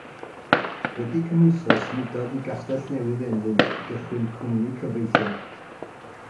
Wedi cymhwyso symudodd i Gastellnewydd Emlyn i gychwyn cwmni cyfreithiol.